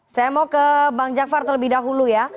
saya mau ke bang jakfar terlebih dahulu ya